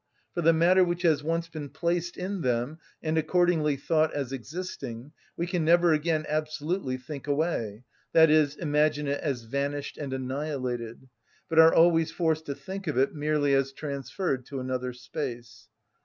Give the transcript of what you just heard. For the matter which has once been placed in them, and accordingly thought as existing, we can never again absolutely think away, i.e., imagine it as vanished and annihilated, but are always forced to think of it merely as transferred to another space.